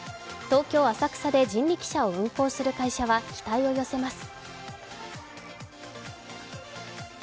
東京・浅草で人力車を運行する会社は、期待を寄せます。